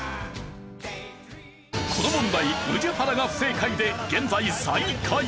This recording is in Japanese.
この問題宇治原が不正解で現在最下位。